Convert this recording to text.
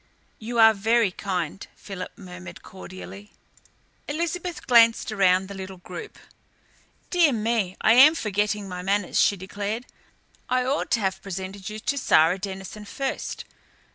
"You are very kind," Philip murmured cordially. Elizabeth glanced around the little group. "Dear me, I am forgetting my manners," she declared. "I ought to have presented you to Sara Denison first.